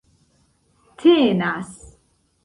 tenas